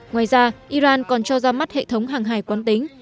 ngoài ra iran còn cho ra mắt hệ thống hàng hải quán tính